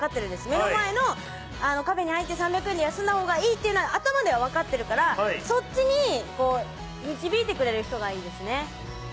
目の前のカフェに入って３００円で休んだほうがいいっていうのは頭では分かってるからそっちに導いてくれる人がいいですね